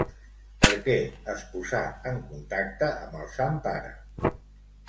Per què es posà en contacte amb el sant pare?